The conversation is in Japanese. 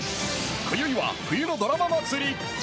今宵は冬のドラマ祭り